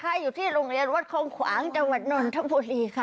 อยู่ที่โรงเรียนวัดคลองขวางจังหวัดนนทบุรีค่ะ